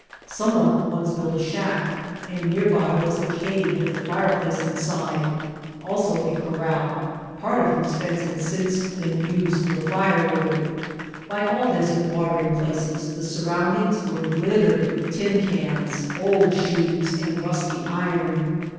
Some one once built a shack, and nearby was a cave with a fireplace inside, also a corral, part of whose fence had since been used for firewood. Like all desert watering places the surround ings were littered with tin cans, old shoes and rusty iron.